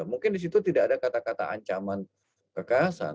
mungkin di situ tidak ada kata kata ancaman kekerasan